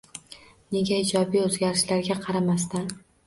Nega ijobiy o‘zgarishlarga qaramasdan